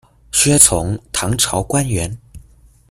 薛崇，唐朝官员。